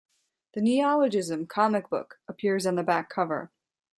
The neologism "comic book" appears on the back cover.